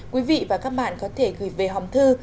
quý vị và các bạn có thể gửi về hòm thư